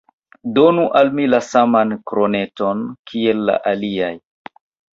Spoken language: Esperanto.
Donu al mi la saman kroneton, kiel al aliaj!